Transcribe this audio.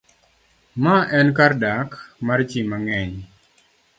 Ma enkardak mar ji mang'eny